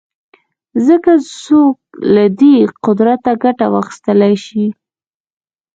څنګه څوک له دې قدرته ګټه واخیستلای شي